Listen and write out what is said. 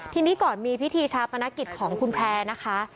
ทีนี้ก่อนมีพิธีชาปนกิจของคุณแพร่นะคะ